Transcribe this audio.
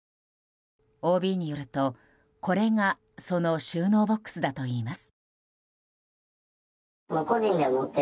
ＯＢによると、これがその収納ボックスだといいます。